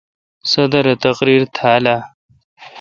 صدر اے°تقریر تھال اہ؟